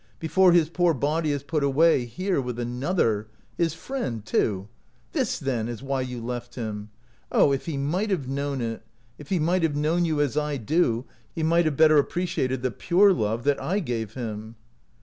Before his poor body is put away — here with another — his friend, too. This, then, is why you left him. Oh, if he might have known it! If he might have known you as I do, he might have better appreciated the pure love that I gave him."